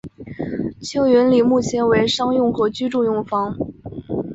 庆云里目前为商用和居住用房。